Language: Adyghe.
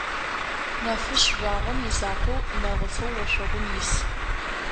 Нэфышъ жъуагъом изакъоу, нэгъыфэу ошъогум ис.